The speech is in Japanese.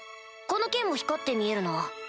この剣も光って見えるな？